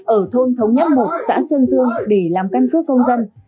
ở thôn thống nhất mục xã xuân dương để làm căn cứ công dân